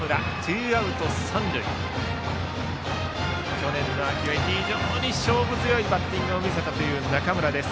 去年の秋は、非常に勝負強いバッティングを見せた中村です。